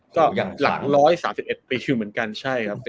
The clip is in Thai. ก็หลัง๑๓๑ปีมันก็ใช่ครับ